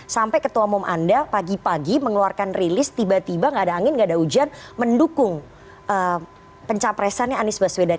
sampai ketua umum anda pagi pagi mengeluarkan rilis tiba tiba gak ada angin nggak ada hujan mendukung pencapresannya anies baswedan